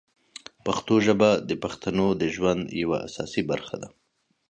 پښتو ژبه د پښتنو د ژوند یوه اساسي برخه ده.